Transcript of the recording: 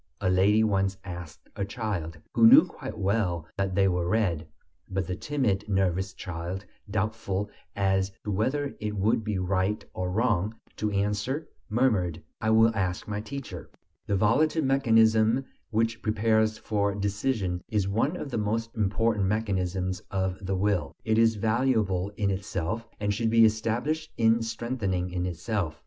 a lady once asked a child, who knew quite well that they were red. But the timid, nervous child, doubtful as to whether it would be right or wrong to answer, murmured: "I will ask my teacher." The volitive mechanism which prepares for decision is one of the most important mechanisms of the will; it is valuable in itself, and should be established and strengthened in itself.